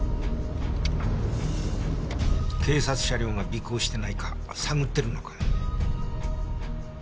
警察車両が尾行してないか探ってるのかも。